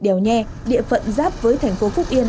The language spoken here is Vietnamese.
đèo nhe địa phận giáp với thành phố phúc yên